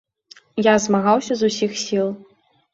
Я змагаўся з усіх сіл.